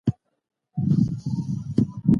جرګه د یوه ولسي پارلمان په څېر د خلکو غوښتنې تمثیلوي.